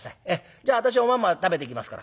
じゃあ私はおまんま食べてきますから」。